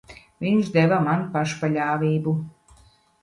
Viņš deva man pašpaļāvību.